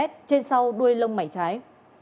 trên sau đuôi lông mảnh trái